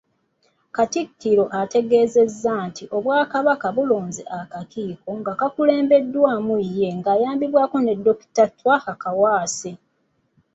Katikkiro yategeezezza nti Obwakabaka bulonze akakiiko akakulembeddwamu ye ng’ayambibwako Dr. Twaha Kaawaase.